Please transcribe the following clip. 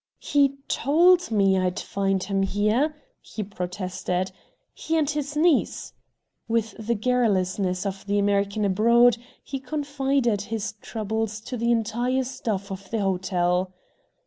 "He TOLD me I'd find him here," he protested., "he and his niece." With the garrulousness of the American abroad, he confided his troubles to the entire staff of the hotel.